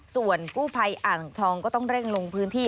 ส่วนกู้ภัยอ่างทองก็ต้องเร่งลงพื้นที่